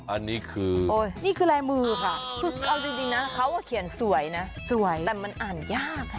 อันนี้คือนี่คือลายมือค่ะคือเอาจริงนะเขาเขียนสวยนะสวยแต่มันอ่านยากค่ะ